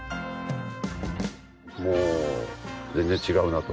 もう全然違うなと。